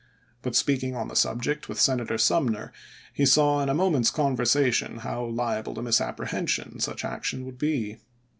But speaking on the subject with Senator Sumner, he saw in a moment's conversation how liable to misappre hension such action would be.